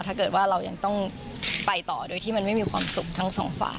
ถ้าเกิดว่าเรายังต้องไปต่อโดยที่มันไม่มีความสุขทั้งสองฝ่าย